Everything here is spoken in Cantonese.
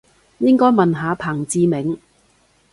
應該問下彭志銘